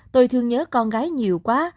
tôi thương nhớ con gái nhiều quá